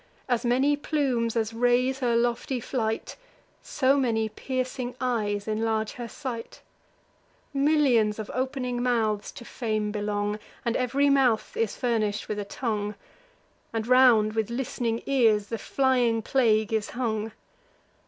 As many plumes as raise her lofty flight, So many piercing eyes inlarge her sight; Millions of opening mouths to Fame belong, And ev'ry mouth is furnish'd with a tongue, And round with list'ning ears the flying plague is hung.